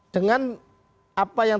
dengan apa yang